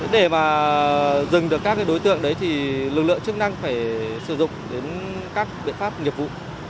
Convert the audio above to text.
để mà dừng được các đối tượng đấy thì lực lượng chức năng phải sử dụng đến các biện pháp nghiệp vụ